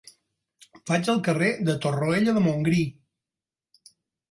Vaig al carrer de Torroella de Montgrí.